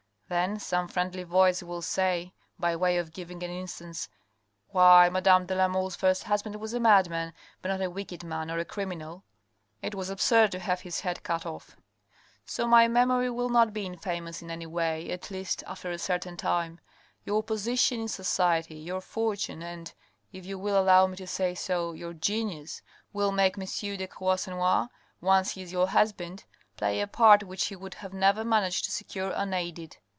Then some friendly voice will say, by way of giving an instance :' Why, madame de la Mole's first husband was a madman, but not a wicked man or a criminal. It was absurd to have his head 488 THE RED AND THE BLACK cut off.' So my memory will not be infamous in any way— at least, after a certain time. ... Your position in society, your fortune, and, if you will allow me to say so, your genius, will make M. de Croisenois, once he is your husband, play a part which he would have never managed to secure unaided.